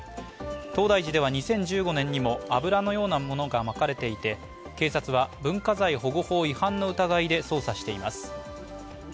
東大寺では２０１５年にも油のようなものがまかれていて警察は文化財保護法違反の疑いで捜査しています。